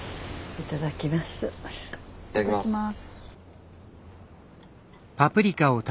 いただきます。